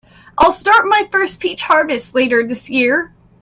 I'll start my first peach harvest later this year.